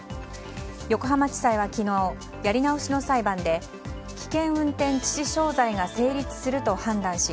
横浜地裁は昨日やり直しの裁判で危険運転致死傷罪が成立すると判断し